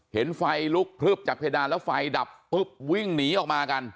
เห็นไฟลุกพลึบจากเพดานแล้วไฟดับปุ๊บวิ่งหนีออกมากัน